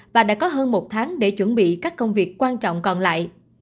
và đã có hơn một tháng để chuẩn bị các công việc quan trọng còn lại